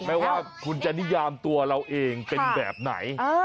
ไม่ว่าคุณจะนิยามตัวเราเองเป็นแบบไหน